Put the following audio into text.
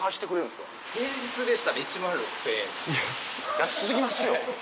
安過ぎますよ。